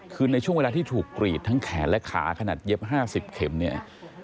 คือในช่วงเวลาที่ถูกกรีดทั้งแขนและขาขนาดเย็บ๕๐เข็มเนี่ย